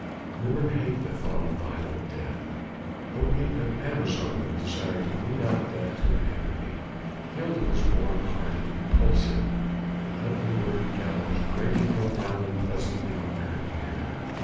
Women hate the thought of violent death, only an amazon would desire to mete out death to any enemy: Gilda was warm hearted, impulsive, the ugly word "gallows" grated no doubt unpleasantly on her ear.